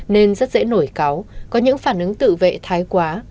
nên rất dễ nổi cáo có những phản ứng tự vệ thái quá